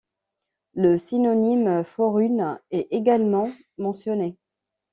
Le synonyme forune est également mentionné.